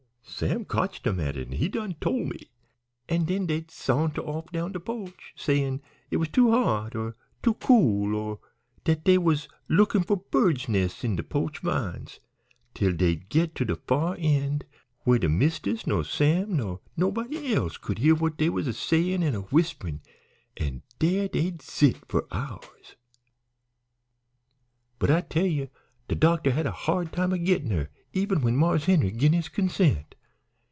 Sam cotched him at it, an' done tole me; an' den dey'd sa'nter off down de po'ch, sayin' it was too hot or too cool, or dat dey was lookin' for birds' nests in de po'ch vines, till dey'd git to de far end, where de mist'ess nor Sam nor nobody else couldn't hear what dey was a sayin' an' a whisperin', an' dere dey'd sit fer hours. "But I tell ye de doctor had a hard time a gittin' her even when Marse Henry gin his consent.